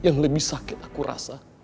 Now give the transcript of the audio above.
yang lebih sakit aku rasa